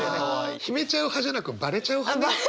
秘めちゃう派じゃなくバレちゃう派ね。